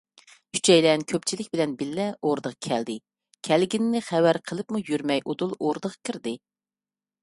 ئۈچەيلەن كۆپچىلىك بىلەن بىللە ئوردىغا كەلدى، كەلگىنىنى خەۋەر قىلىپمۇ يۈرمەي ئۇدۇل ئوردىغا كىردى.